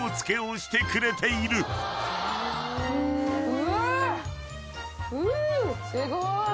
すごい！